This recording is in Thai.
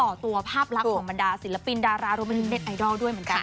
ต่อตัวภาพลักษณ์ของบรรดาศิลปินดารารวมไปถึงเน็ตไอดอลด้วยเหมือนกัน